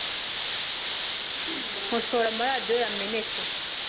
Nkosora amaradiyo yamenetse .